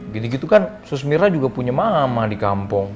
gini gitu kan susmirna juga punya mama di kamar